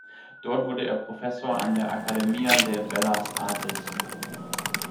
Dort wurde er Professor an der "Academia de Bellas Artes".